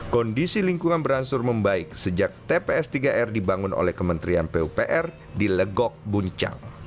kondisi lingkungan berangsur membaik sejak tps tiga r dibangun oleh kementerian pupr di legok buncang